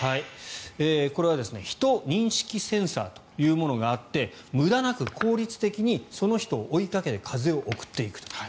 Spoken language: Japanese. これは人認識センサーというものがあって無駄なく効率的にその人を追いかけて風を送っていくと。